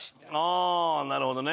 ああなるほどね。